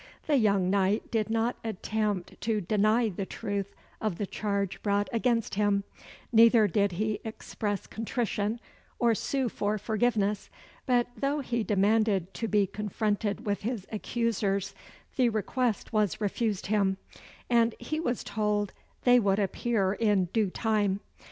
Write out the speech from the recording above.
The young knight did not attempt to deny the truth of the charge brought against him, neither did he express contrition, or sue for forgiveness; but though he demanded to be confronted with his accusers, the request was refused him; and he was told they would appear in due time.